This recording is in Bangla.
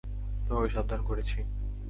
তোমাকে সাবধান করেছি।